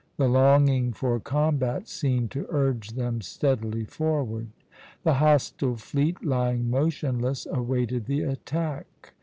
The longing for combat seemed to urge them steadily forward. The hostile fleet, lying motionless, awaited the attack.